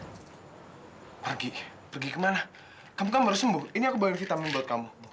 pergi pergi kemana kamu kan baru sembuh ini aku bayar vitamin buat kamu